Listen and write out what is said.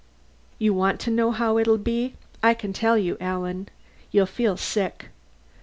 "You want to know how it'll be? I can tell you, Alan: you'll feel sick.